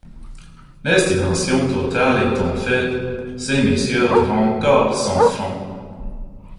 L'estimation totale étant faite, ces messieurs devaient encore cent francs.